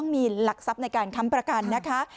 มีหลักทรัพย์ในการค้ำประกันนะคะ